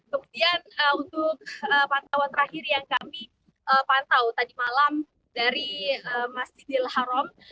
kemudian untuk pantauan terakhir yang kami pantau tadi malam dari masjidil haram